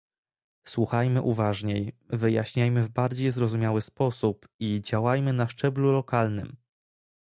Słuchajmy uważniej, wyjaśniajmy w bardziej zrozumiały sposób i działajmy na szczeblu lokalnym